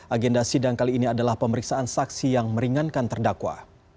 agenda sidang kali ini adalah pemeriksaan saksi yang meringankan terdakwa